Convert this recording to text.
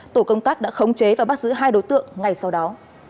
tổ công tác đã khống chế và bắt giữ hai đối tượng ngay sau đó